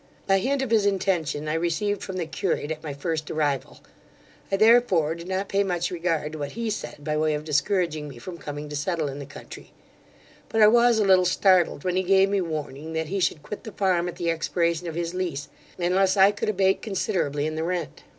A hint of his intention I received from the curate at my first arrival; I therefore did not pay much regard to what he said by way of discouraging me from coming to settle in the country; but I was a little startled when he gave me warning that he should quit the farm at the expiration of his lease, unless I could abate considerably in the rent.